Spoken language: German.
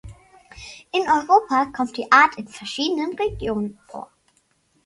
In Europa kommt die Art in verschiedenen Regionen vor.